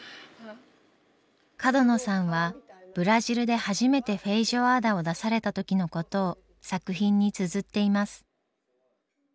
角野さんはブラジルで初めてフェイジョアーダを出された時のことを作品につづっています。